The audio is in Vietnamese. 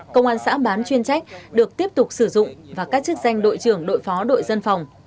công an xã bán chuyên trách được tiếp tục sử dụng và các chức danh đội trưởng đội phó đội dân phòng